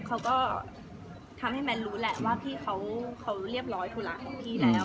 เขาก็ทำให้แมนรู้แหละว่าพี่เขาเรียบร้อยธุระของพี่แล้ว